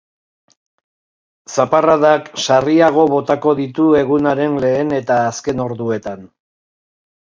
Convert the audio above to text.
Zaparradak sarriago botako ditu egunaren lehen eta azken orduetan.